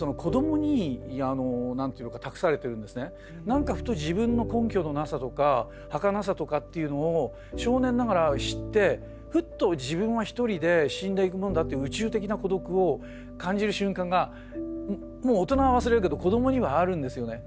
何かふと自分の根拠のなさとかはかなさとかっていうのを少年ながら知ってふっと自分はひとりで死んでいくものだって宇宙的な孤独を感じる瞬間がもう大人は忘れるけど子どもにはあるんですよね。